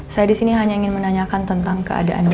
saya di sini hanya ingin menanyakan tentang keadaan